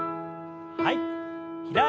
はい。